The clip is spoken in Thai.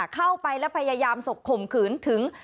เข้าไปแล้วพยายามข่มขืนถึง